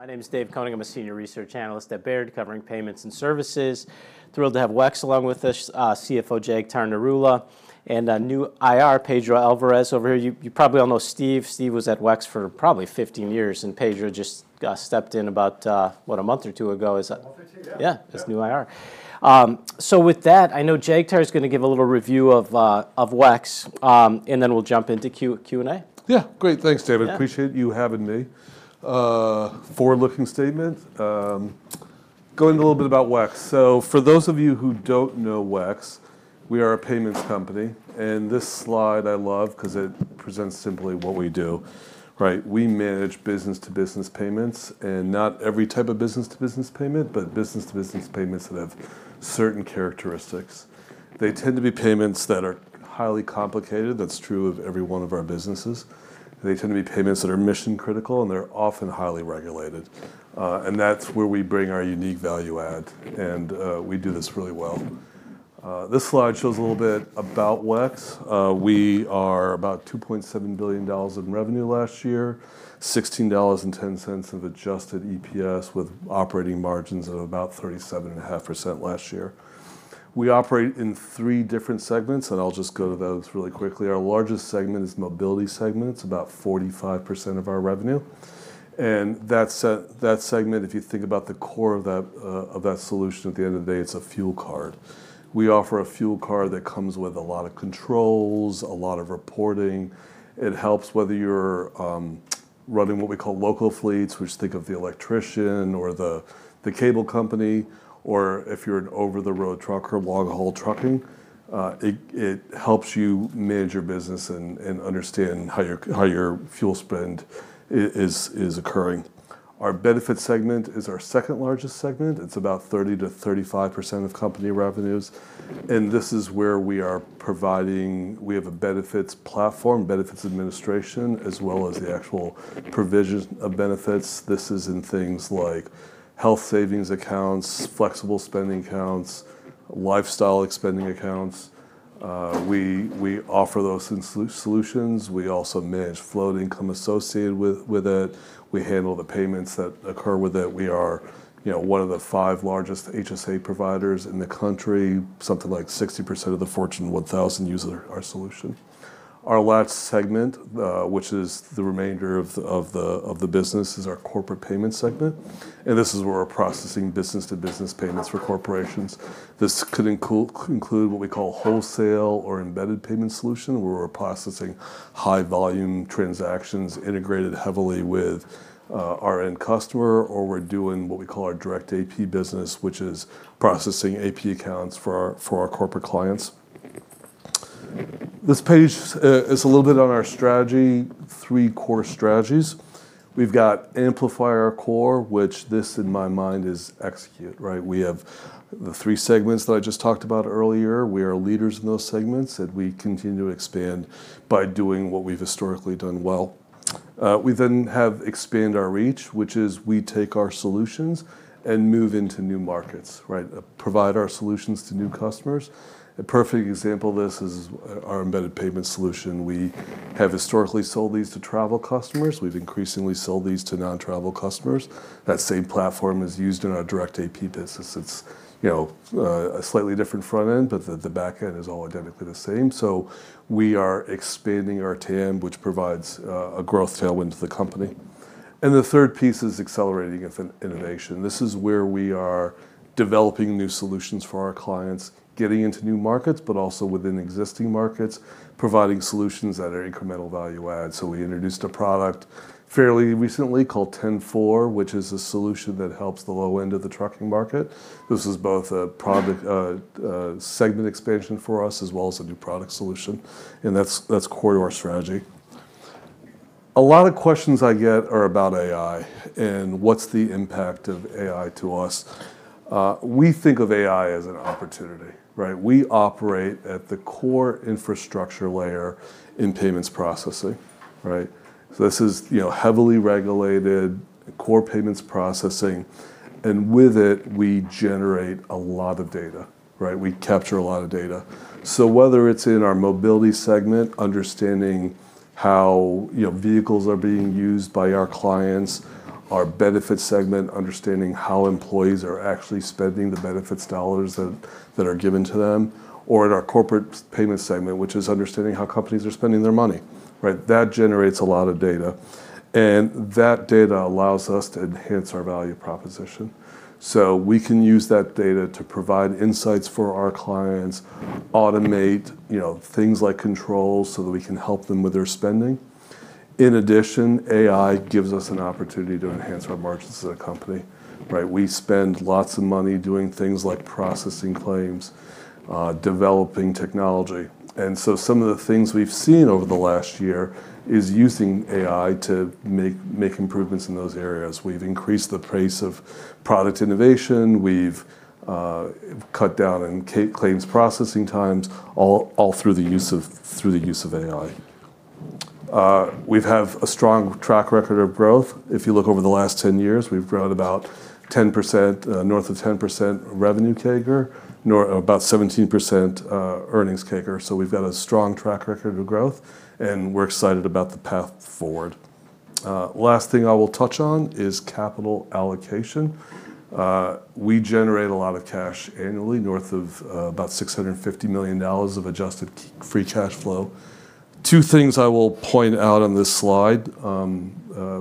My name is Dave Koning. I'm a Senior Research Analyst at Baird covering payments and services. Thrilled to have WEX along with us, CFO Jagtar Narula, and our new IR, Pedro Alvarez, over here. You probably all know Steve. Steve was at WEX for probably 15 years, and Pedro just stepped in about, what? A month or two ago, is that? A month or two, yeah. Yeah. Yeah. This new IR. With that, I know Jagtar is going to give a little review of WEX, and then we'll jump into Q&A. Yeah. Great. Thanks, David. Yeah. Appreciate you having me. Forward-looking statement. Going a little bit about WEX. For those of you who don't know WEX, we are a payments company. This slide I love because it presents simply what we do. We manage business-to-business payments and not every type of business-to-business payment, but business-to-business payments that have certain characteristics. They tend to be payments that are highly complicated. That's true of every one of our businesses. They tend to be payments that are mission-critical, and they're often highly regulated. That's where we bring our unique value add, and we do this really well. This slide shows a little bit about WEX. We are about $2.7 billion in revenue last year, $16.10 of adjusted EPS with operating margins of about 37.5% last year. We operate in three different segments, and I'll just go to those really quickly. Our largest segment is Mobility segment. It's about 45% of our revenue, and that segment, if you think about the core of that solution, at the end of the day, it's a fuel card. We offer a fuel card that comes with a lot of controls, a lot of reporting. It helps whether you're running what we call local fleets, which think of the electrician or the cable company, or if you're an over-the-road trucker, long-haul trucking. It helps you manage your business and understand how your fuel spend is occurring. Our Benefits segment is our second-largest segment. It's about 30%-35% of company revenues, and this is where we are providing We have a benefits platform, benefits administration, as well as the actual provision of benefits. This is in things like Health Savings Accounts, Flexible Spending Accounts, lifestyle expending accounts. We offer those solutions. We also manage flow of income associated with it. We handle the payments that occur with it. We are one of the five largest HSA providers in the country. Something like 60% of the Fortune 1000 use our solution. Our last segment, which is the remainder of the business, is our corporate payment segment, and this is where we're processing business-to-business payments for corporations. This could include what we call wholesale or embedded payment solution, where we're processing high volume transactions integrated heavily with our end customer, or we're doing what we call our direct AP business, which is processing AP accounts for our corporate clients. This page is a little bit on our strategy, three core strategies. We've got amplify our core, which this in my mind is execute. We have the three segments that I just talked about earlier. We are leaders in those segments, and we continue to expand by doing what we've historically done well. We have expand our reach, which is we take our solutions and move into new markets. Provide our solutions to new customers. A perfect example of this is our embedded payment solution. We have historically sold these to travel customers. We've increasingly sold these to non-travel customers. That same platform is used in our direct AP business. It's a slightly different front end, but the back end is all identically the same. We are expanding our TAM, which provides a growth tailwind to the company. The third piece is accelerating innovation. This is where we are developing new solutions for our clients, getting into new markets, but also within existing markets, providing solutions that are incremental value add. We introduced a product fairly recently called 10-4, which is a solution that helps the low end of the trucking market. This is both a segment expansion for us as well as a new product solution, and that's core to our strategy. A lot of questions I get are about AI and what's the impact of AI to us. We think of AI as an opportunity. We operate at the core infrastructure layer in payments processing. This is heavily regulated core payments processing, and with it, we generate a lot of data. We capture a lot of data. Whether it's in our mobility segment, understanding how vehicles are being used by our clients, our benefits segment, understanding how employees are actually spending the benefits dollars that are given to them, or in our corporate payment segment, which is understanding how companies are spending their money. That generates a lot of data, that data allows us to enhance our value proposition. We can use that data to provide insights for our clients, automate things like controls so that we can help them with their spending. In addition, AI gives us an opportunity to enhance our margins as a company. We spend lots of money doing things like processing claims, developing technology, some of the things we've seen over the last year is using AI to make improvements in those areas. We've increased the pace of product innovation. We've cut down in claims processing times, all through the use of AI. We have a strong track record of growth. If you look over the last 10 years, we've grown about 10%, north of 10% revenue CAGR, about 17% earnings CAGR. We've got a strong track record of growth, and we're excited about the path forward. Last thing I will touch on is capital allocation. We generate a lot of cash annually, north of about $650 million of adjusted free cash flow. Two things I will point out on this slide.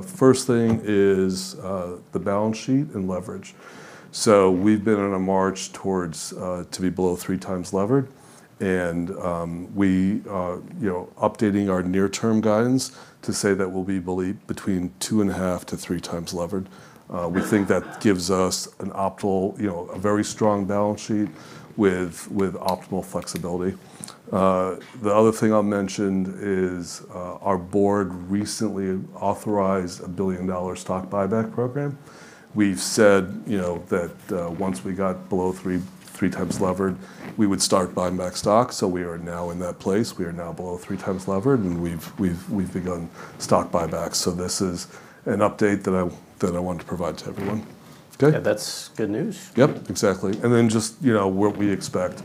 First thing is the balance sheet and leverage. We've been on a march towards to be below three times levered, and we are updating our near-term guidance to say that we'll be below between two and a half to three times levered. We think that gives us a very strong balance sheet with optimal flexibility. The other thing I'll mention is our board recently authorized a billion-dollar stock buyback program. We've said that once we got below three times levered, we would start buying back stock. We are now in that place. We are now below 3 times levered, and we've begun stock buybacks. This is an update that I wanted to provide to everyone. Okay. Yeah, that's good news. Yep, exactly. Just what we expect.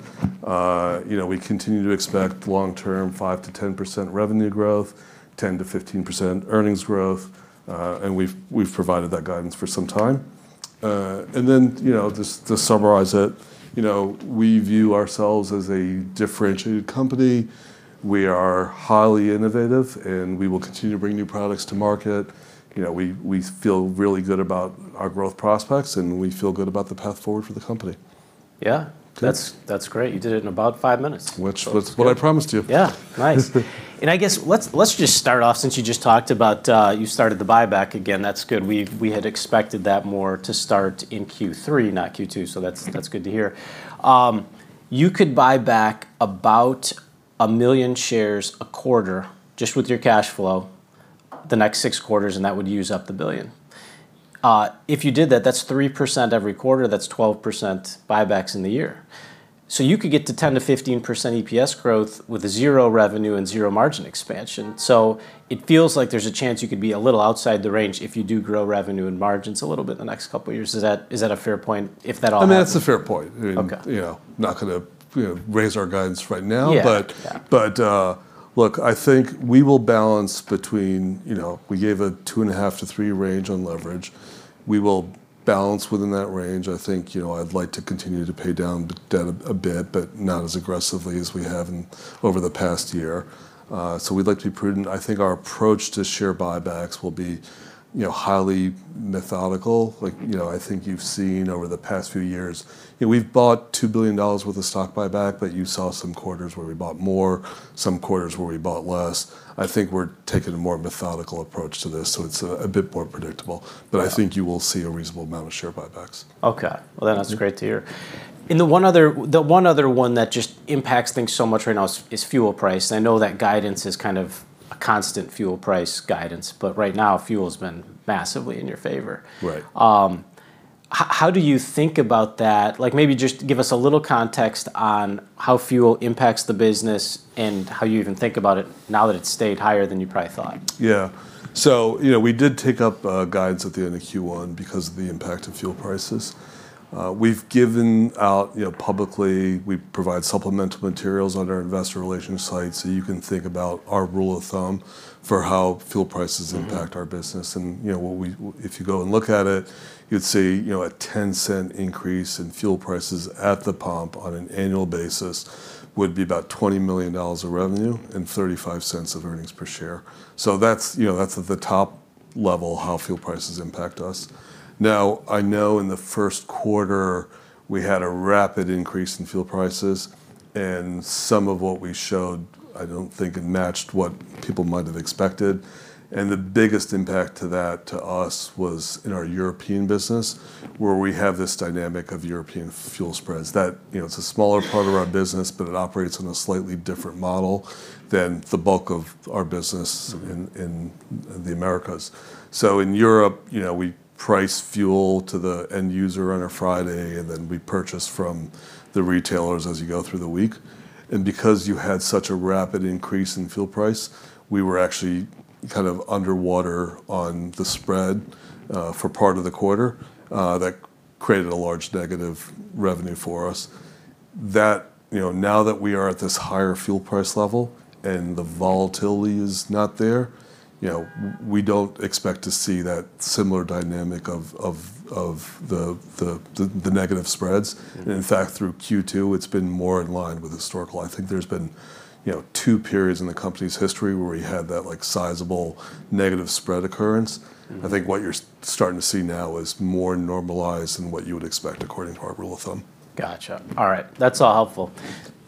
We continue to expect long-term 5%-10% revenue growth, 10%-15% earnings growth, and we've provided that guidance for some time. Just to summarize it, we view ourselves as a differentiated company. We are highly innovative, and we will continue to bring new products to market. We feel really good about our growth prospects, and we feel good about the path forward for the company. Yeah. That's great. You did it in about five minutes. Which was what I promised you. Nice. I guess let's just start off, since you just talked about you started the buyback again. That's good. We had expected that more to start in Q3, not Q2, so that's good to hear. You could buy back about 1 million shares a quarter just with your cash flow the next six quarters, and that would use up the $1 billion. If you did that's 3% every quarter, that's 12% buybacks in the year. You could get to 10%-15% EPS growth with zero revenue and zero margin expansion. Is that a fair point if that all happens? I mean, that's a fair point. Okay. Not going to raise our guidance right now. Yeah. Look, I think we will balance between. We gave a two and a half to three range on leverage. We will balance within that range. I think I'd like to continue to pay down debt a bit, but not as aggressively as we have over the past year. We'd like to be prudent. I think our approach to share buybacks will be highly methodical. I think you've seen over the past few years, we've bought $2 billion worth of stock buyback, but you saw some quarters where we bought more, some quarters where we bought less. I think we're taking a more methodical approach to this, so it's a bit more predictable. Yeah. I think you will see a reasonable amount of share buybacks. Okay. Well, that's great to hear. The one other one that just impacts things so much right now is fuel price. I know that guidance is kind of a constant fuel price guidance, right now, fuel's been massively in your favor. Right. How do you think about that? Maybe just give us a little context on how fuel impacts the business and how you even think about it now that it's stayed higher than you probably thought. Yeah. We did take up guidance at the end of Q1 because of the impact of fuel prices. We've given out publicly, we provide supplemental materials on our investor relations site, you can think about our rule of thumb for how fuel prices impact our business. If you go and look at it, you'd see a $0.10 increase in fuel prices at the pump on an annual basis would be about $20 million of revenue and $0.35 of earnings per share. That's at the top level how fuel prices impact us. Now, I know in the first quarter, we had a rapid increase in fuel prices, and some of what we showed, I don't think it matched what people might have expected. The biggest impact to that to us was in our European business, where we have this dynamic of European fuel spreads. That's a smaller part of our business, but it operates on a slightly different model than the bulk of our business. in the Americas. In Europe, we price fuel to the end user on a Friday, then we purchase from the retailers as you go through the week. Because you had such a rapid increase in fuel price, we were actually kind of underwater on the spread for part of the quarter. That created a large negative revenue for us. Now that we are at this higher fuel price level and the volatility is not there, we don't expect to see that similar dynamic of the negative spreads. In fact, through Q2, it's been more in line with historical. I think there's been two periods in the company's history where we had that sizable negative spread occurrence. I think what you're starting to see now is more normalized than what you would expect according to our rule of thumb. Got you. All right. That's all helpful.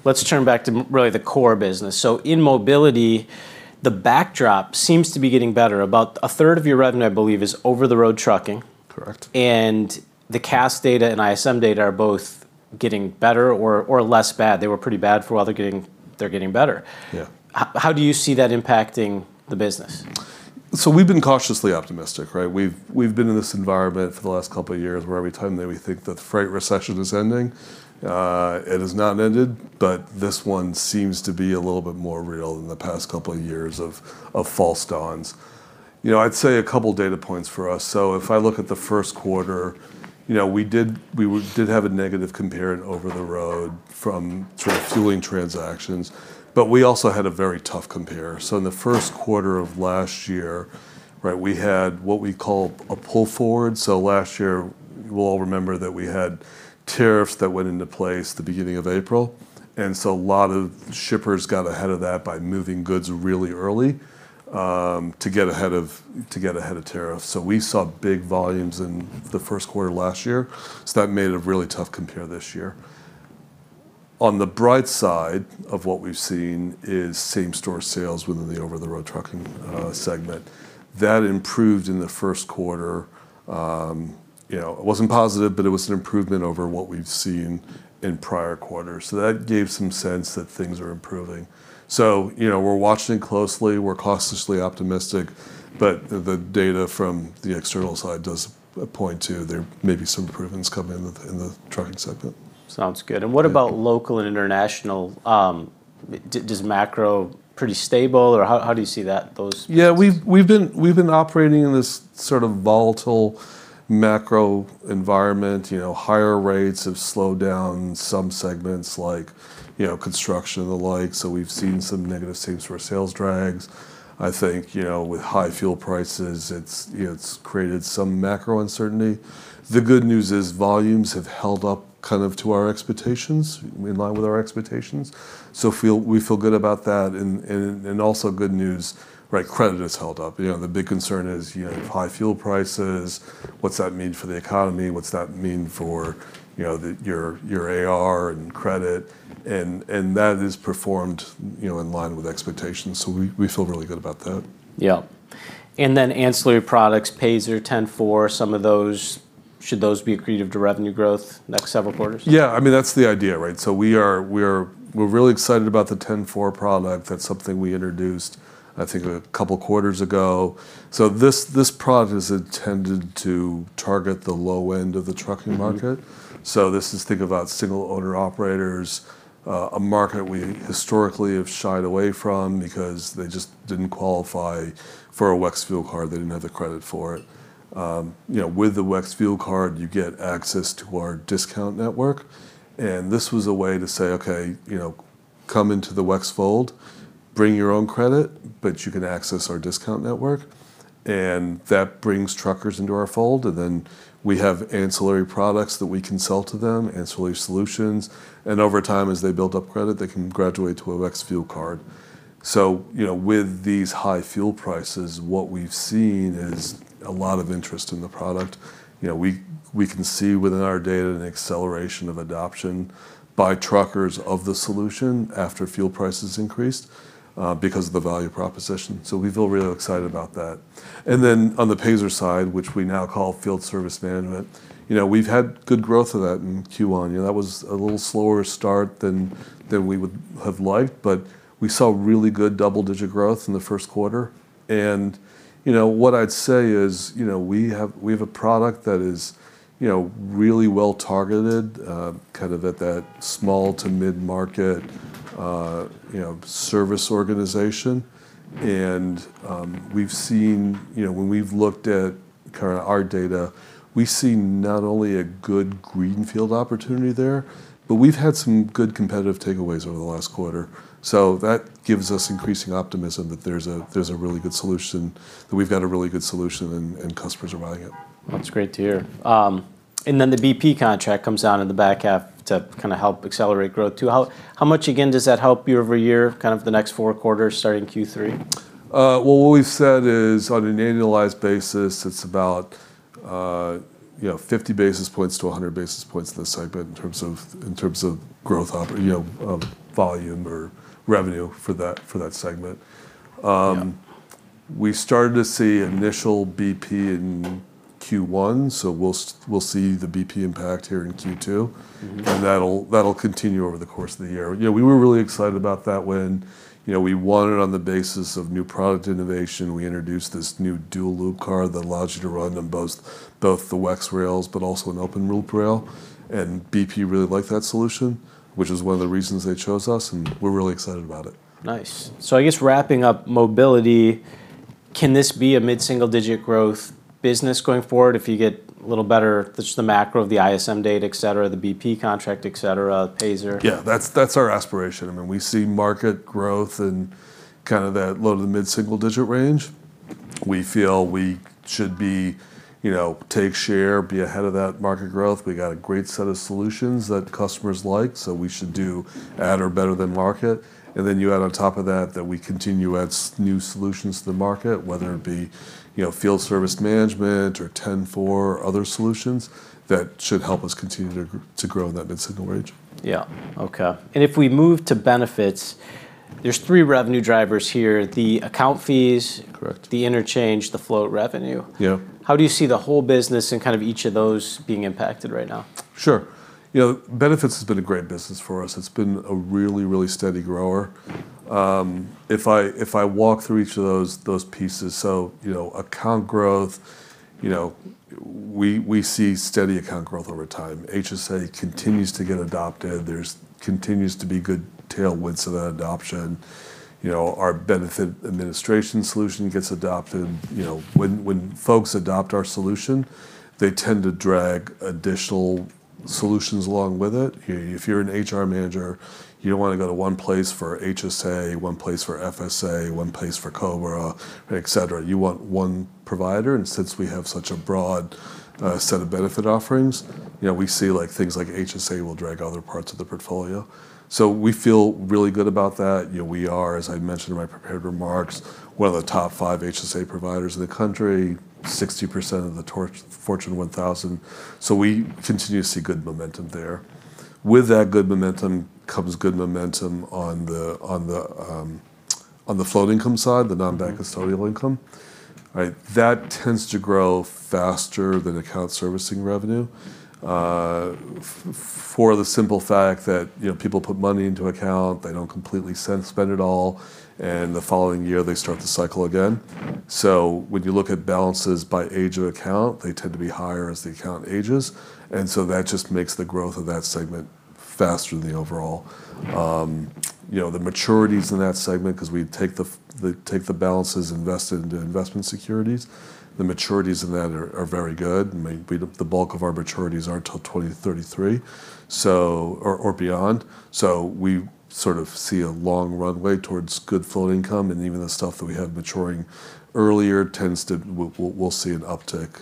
Let's turn back to really the core business. In mobility, the backdrop seems to be getting better. About a third of your revenue, I believe, is over-the-road trucking. Correct. The Cass data and ISM data are both getting better or less bad. They were pretty bad for a while. They're getting better. Yeah. How do you see that impacting the business? We've been cautiously optimistic, right? We've been in this environment for the last couple of years where every time that we think that the freight recession is ending, it has not ended. This one seems to be a little bit more real than the past couple of years of false dawns. I'd say a couple data points for us. If I look at the first quarter, we did have a negative compare in over-the-road from sort of fueling transactions, but we also had a very tough compare. In the first quarter of last year, we had what we call a pull forward. Last year, you all remember that we had tariffs that went into place the beginning of April, and so a lot of shippers got ahead of that by moving goods really early, to get ahead of tariffs. We saw big volumes in the first quarter last year. That made a really tough compare this year. On the bright side of what we've seen is same-store sales within the over-the-road trucking segment. That improved in the first quarter. It wasn't positive, but it was an improvement over what we've seen in prior quarters. That gave some sense that things are improving. We're watching closely. We're cautiously optimistic, but the data from the external side does point to there may be some improvements coming in the trucking segment. Sounds good. What about local and international? Does macro pretty stable, or how do you see those pieces? We've been operating in this sort of volatile macro environment. Higher rates have slowed down some segments like construction and the like. We've seen some negative same-store sales drags. I think, with high fuel prices, it's created some macro uncertainty. The good news is volumes have held up kind of to our expectations, in line with our expectations. We feel good about that, and also good news, credit has held up. The big concern is high fuel prices, what's that mean for the economy? What's that mean for your AR and credit? That has performed in line with expectations. We feel really good about that. Yeah. ancillary products, Payzer, 10-4, some of those, should those be accretive to revenue growth next several quarters? Yeah, that's the idea, right? We're really excited about the 10-4 product. That's something we introduced, I think, a couple quarters ago. This product is intended to target the low end of the trucking market. Think about single-owner operators, a market we historically have shied away from because they just didn't qualify for a WEX fuel card. They didn't have the credit for it. With the WEX fuel card, you get access to our discount network, this was a way to say, Okay, come into the WEX fold, bring your own credit, but you can access our discount network. That brings truckers into our fold, and then we have ancillary products that we can sell to them, ancillary solutions. Over time, as they build up credit, they can graduate to a WEX fuel card. With these high fuel prices, what we've seen is a lot of interest in the product. We can see within our data an acceleration of adoption by truckers of the solution after fuel prices increased, because of the value proposition. We feel really excited about that. On the Payzerware side, which we now call WEX Field Service Management, we've had good growth of that in Q1. That was a little slower start than we would have liked, but we saw really good double-digit growth in the first quarter. What I'd say is we have a product that is really well targeted, kind of at that small to mid-market service organization. We've seen, when we've looked at our data, we've seen not only a good greenfield opportunity there, but we've had some good competitive takeaways over the last quarter. That gives us increasing optimism that we've got a really good solution, and customers are buying it. That's great to hear. The BP contract comes out in the back half to kind of help accelerate growth, too. How much again does that help you year-over-year, kind of the next four quarters starting Q3? What we've said is on an annualized basis, it's about 50 basis points to 100 basis points in this segment in terms of growth volume or revenue for that segment. Yeah. We started to see initial BP in Q1, so we'll see the BP impact here in Q2. That'll continue over the course of the year. We were really excited about that when we won it on the basis of new product innovation. We introduced this new dual loop card that allows you to run on both the WEX rails but also an open loop rail. BP really liked that solution, which is one of the reasons they chose us, and we're really excited about it. I guess wrapping up mobility, can this be a mid-single digit growth business going forward if you get a little better, just the macro of the ISM data, et cetera, the BP contract, et cetera, Payzerware? Yeah. That's our aspiration. We see market growth in kind of that low to the mid-single digit range. We feel we should take share, be ahead of that market growth. We got a great set of solutions that customers like, we should do at or better than market. You add on top of that we continue to add new solutions to the market, whether it be Field Service Management or 10-4 or other solutions, that should help us continue to grow in that mid-single range. Yeah. Okay. If we move to benefits, there's three revenue drivers here. Correct the interchange, the float revenue. Yeah. How do you see the whole business and kind of each of those being impacted right now? Sure, benefits has been a great business for us. It's been a really steady grower. If I walk through each of those pieces, account growth, we see steady account growth over time. HSA continues to get adopted. There continues to be good tailwinds to that adoption. Our benefit administration solution gets adopted. When folks adopt our solution, they tend to drag additional solutions along with it. If you're an HR manager, you don't want to go to one place for HSA, one place for FSA, one place for COBRA, et cetera. You want one provider, since we have such a broad set of benefit offerings, we see things like HSA will drag other parts of the portfolio. We feel really good about that. We are, as I mentioned in my prepared remarks, one of the top five HSA providers in the country, 60% of the Fortune 1000. We continue to see good momentum there. With that good momentum comes good momentum on the float income side, the non-bank custodial income. That tends to grow faster than account servicing revenue, for the simple fact that people put money into account, they don't completely spend it all, and the following year, they start the cycle again. When you look at balances by age of account, they tend to be higher as the account ages. That just makes the growth of that segment faster than the overall. The maturities in that segment, because we take the balances invested into investment securities, the maturities in that are very good, and the bulk of our maturities aren't till 2033 or beyond. We sort of see a long runway towards good float income, and even the stuff that we had maturing earlier, we'll see an uptick,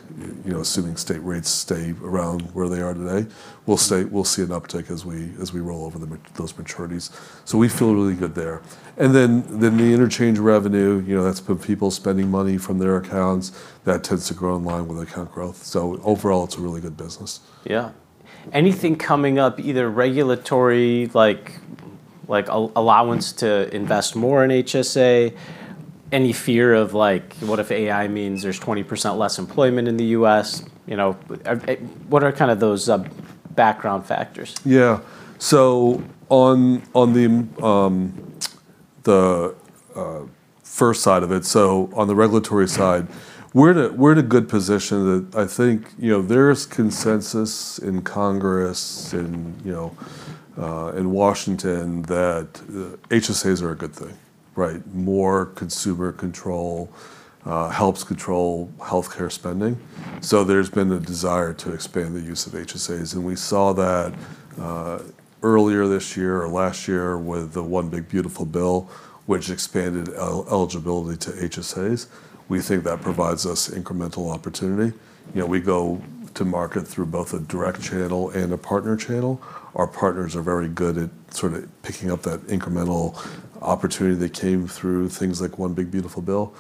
assuming state rates stay around where they are today. We'll see an uptick as we roll over those maturities. We feel really good there. Then the interchange revenue, that's people spending money from their accounts, that tends to grow in line with account growth. Overall, it's a really good business. Yeah. Anything coming up, either regulatory, like allowance to invest more in HSA? Any fear of what if AI means there's 20% less employment in the U.S.? What are those background factors? On the first side of it, on the regulatory side, we're in a good position that I think there's consensus in Congress, in Washington, that HSAs are a good thing, right? More consumer control helps control healthcare spending. There's been a desire to expand the use of HSAs, and we saw that earlier this year or last year with the One Big Beautiful Bill, which expanded eligibility to HSAs. We think that provides us incremental opportunity. We go to market through both a direct channel and a partner channel. Our partners are very good at sort of picking up that incremental opportunity that came through things like One Big Beautiful Bill.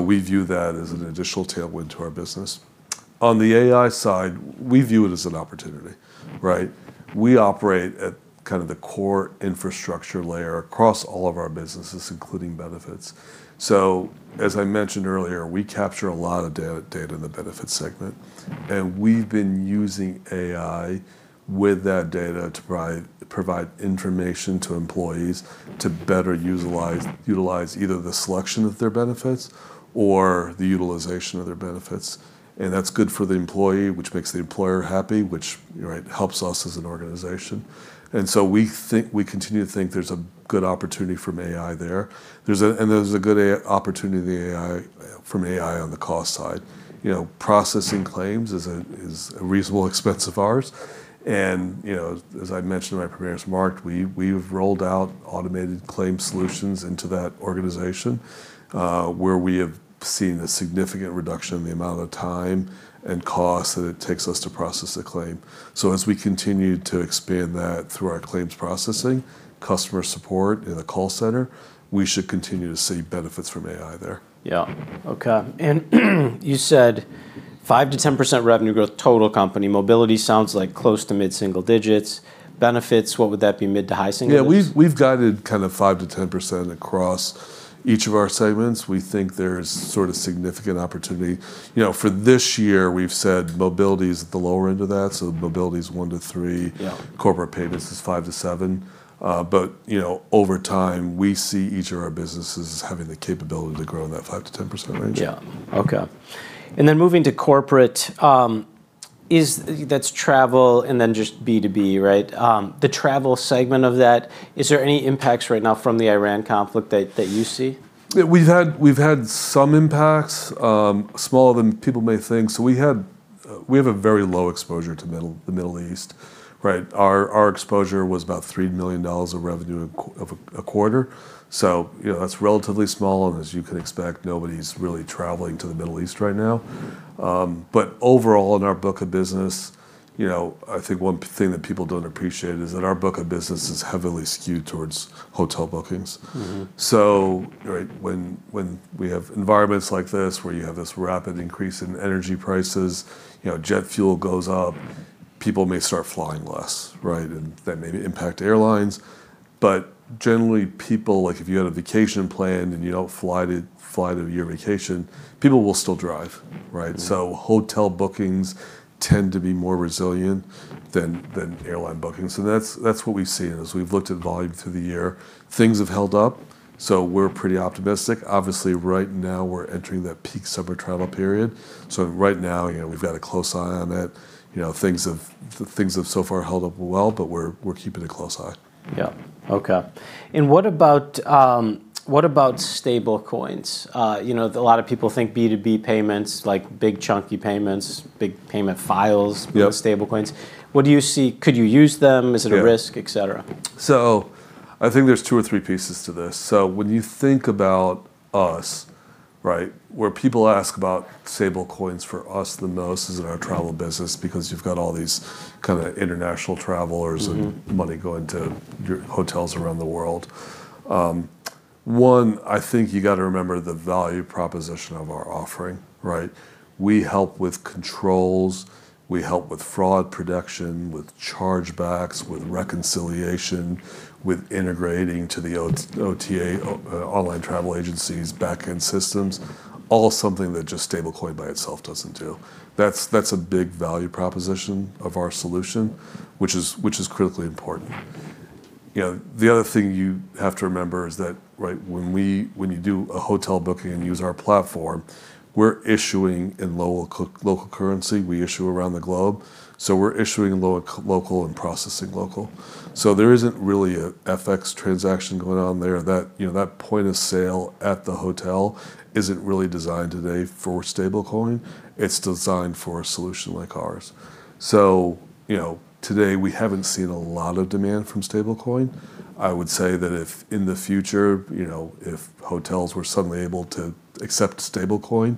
We view that as an additional tailwind to our business. On the AI side, we view it as an opportunity, right? We operate at the core infrastructure layer across all of our businesses, including benefits. As I mentioned earlier, we capture a lot of data in the benefits segment, and we've been using AI with that data to provide information to employees to better utilize either the selection of their benefits or the utilization of their benefits. That's good for the employee, which makes the employer happy, which helps us as an organization. We continue to think there's a good opportunity from AI there. There's a good opportunity from AI on the cost side. Processing claims is a reasonable expense of ours. As I mentioned in my prepared remarks, we've rolled out automated claims solutions into that organization, where we have seen a significant reduction in the amount of time and cost that it takes us to process a claim. As we continue to expand that through our claims processing, customer support in the call center, we should continue to see benefits from AI there. Yeah. Okay. You said 5%-10% revenue growth, total company. Mobility sounds like close to mid-single digits. Benefits, what would that be, mid to high singles? Yeah, we've guided kind of 5%-10% across each of our segments. We think there's sort of significant opportunity. For this year, we've said mobility is at the lower end of that, so mobility's 1%-3%. Yeah. Corporate payments is 5%-7%. Over time, we see each of our businesses as having the capability to grow in that 5%-10% range. Yeah. Okay. Then moving to corporate, that's travel and then just B2B, right? The travel segment of that, is there any impacts right now from the Iran conflict that you see? We've had some impacts, smaller than people may think. We have a very low exposure to the Middle East. Our exposure was about $3 million of revenue of a quarter. That's relatively small, and as you can expect, nobody's really traveling to the Middle East right now. Overall, in our book of business, I think one thing that people don't appreciate is that our book of business is heavily skewed towards hotel bookings. When we have environments like this where you have this rapid increase in energy prices, jet fuel goes up, people may start flying less, right? That may impact airlines. Generally, people, like if you had a vacation planned and you don't fly to your vacation, people will still drive, right? Hotel bookings tend to be more resilient than airline bookings. That's what we've seen. As we've looked at volume through the year, things have held up, so we're pretty optimistic. Obviously, right now, we're entering that peak summer travel period. Right now, we've got a close eye on it. Things have so far held up well, but we're keeping a close eye. Yeah. Okay. What about stablecoins? A lot of people think B2B payments, like big chunky payments, big payment files. Yep with stablecoins. What do you see? Could you use them? Is it a risk, et cetera? I think there's two or three pieces to this. When you think about us, where people ask about stablecoins for us the most is in our travel business, because you've got all these kind of international travelers. Money going to hotels around the world. One, I think you got to remember the value proposition of our offering. We help with controls, we help with fraud protection, with chargebacks, with reconciliation, with integrating to the OTA, online travel agencies, backend systems, all something that just stablecoin by itself doesn't do. That's a big value proposition of our solution, which is critically important. The other thing you have to remember is that when you do a hotel booking and use our platform, we're issuing in local currency, we issue around the globe. We're issuing local and processing local. There isn't really a FX transaction going on there. That point-of-sale at the hotel isn't really designed today for stablecoin. It's designed for a solution like ours. Today, we haven't seen a lot of demand from stablecoin. I would say that if in the future, if hotels were suddenly able to accept stablecoin,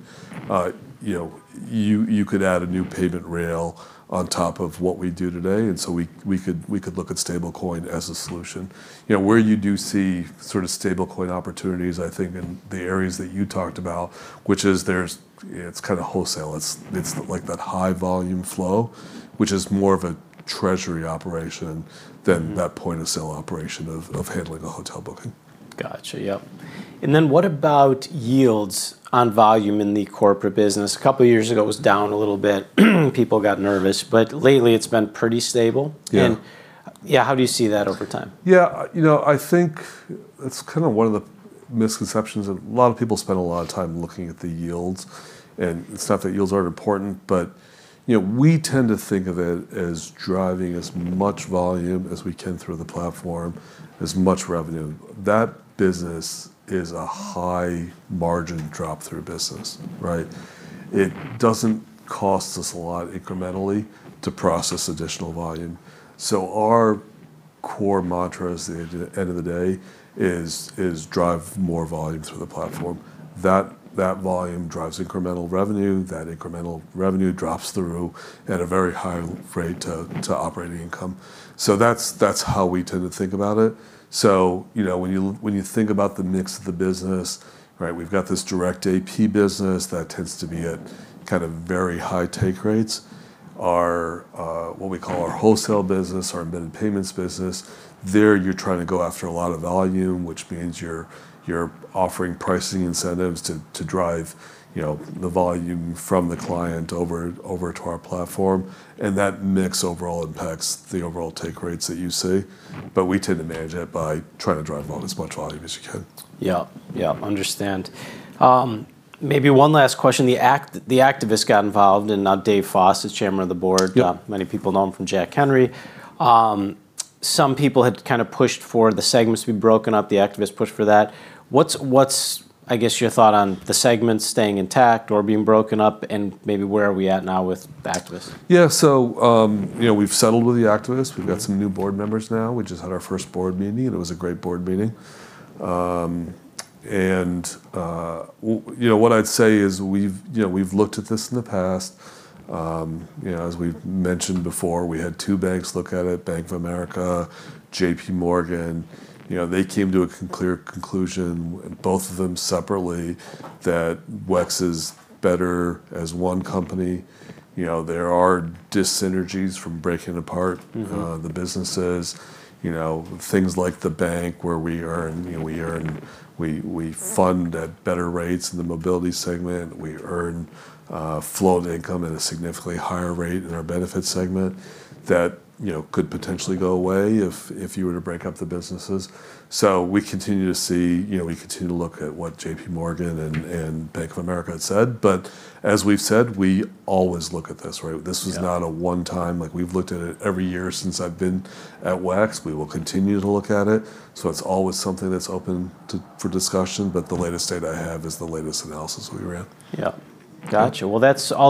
you could add a new payment rail on top of what we do today, and so we could look at stablecoin as a solution. Where you do see sort of stablecoin opportunities, I think, in the areas that you talked about, which is it's kind of wholesale. It's that high volume flow, which is more of a treasury operation than that point-of-sale operation of handling a hotel booking. Got you. Yep. What about yields on volume in the corporate business? A couple of years ago, it was down a little bit, people got nervous. Lately, it's been pretty stable. Yeah. Yeah, how do you see that over time? Yeah. I think it's kind of one of the misconceptions. A lot of people spend a lot of time looking at the yields, and it's not that yields aren't important, but we tend to think of it as driving as much volume as we can through the platform, as much revenue. That business is a high margin drop through business. It doesn't cost us a lot incrementally to process additional volume. Our core mantra at the end of the day is drive more volume through the platform. That volume drives incremental revenue. That incremental revenue drops through at a very high rate to operating income. That's how we tend to think about it. When you think about the mix of the business, we've got this direct AP business that tends to be at kind of very high take rates. What we call our wholesale business, our embedded payments business. There, you're trying to go after a lot of volume, which means you're offering pricing incentives to drive the volume from the client over to our platform, and that mix overall impacts the overall take rates that you see. We tend to manage that by trying to drive home as much volume as you can. Yeah. Understand. Maybe one last question. The activist got involved in David Foss as Chairman of the Board. Yeah. Many people know him from Jack Henry. Some people had kind of pushed for the segments to be broken up. The activist pushed for that. What's, I guess, your thought on the segments staying intact or being broken up, and maybe where are we at now with the activist? Yeah. We've settled with the activist. We've got some new board members now. We just had our first board meeting. It was a great board meeting. What I'd say is we've looked at this in the past. As we've mentioned before, we had two banks look at it, Bank of America, JPMorgan. They came to a clear conclusion, both of them separately, that WEX is better as one company. There are dis-synergies from breaking apart. the businesses. Things like the bank where we fund at better rates in the mobility segment. We earn flow of income at a significantly higher rate in our benefits segment that could potentially go away if you were to break up the businesses. We continue to look at what JPMorgan and Bank of America had said. As we've said, we always look at this, right? Yeah. This was not a one time. We've looked at it every year since I've been at WEX. We will continue to look at it. It's always something that's open for discussion, but the latest data I have is the latest analysis we ran. Yeah. Got you. Well, that's-